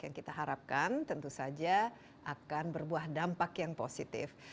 yang kita harapkan tentu saja akan berbuah dampak yang positif